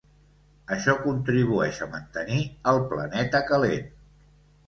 Això contribueix a mantenir el planeta calent.